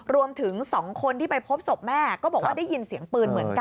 รวมถึง๒คนที่ไปพบศพแม่ก็บอกว่าได้ยินเสียงปืนเหมือนกัน